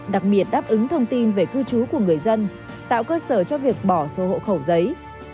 đặc biệt đáp ứng thông tin về cư trú của người dân tạo cơ sở cho việc bỏ số hộ khẩu giấy